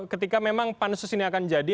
ketika memang pansus ini akan jadi